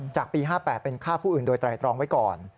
จากปี๕๘เป็นฆ่าผู้อื่นโดยไตรตรองไว้ก่อน